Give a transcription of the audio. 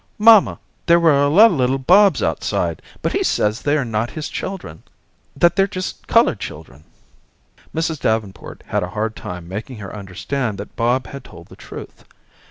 "Mamma, there were a lot of little Bobs outside, but he says they are not his children that they're just colored children." Mrs. Davenport had a hard time making her understand that Bob had told the truth.